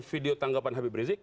video tanggapan habib rizik